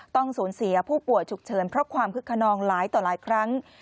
ต้องสูญเสียผู้ป่วยฉุกเฉินเพราะความคึกขนองหลายต่อหลายครั้ง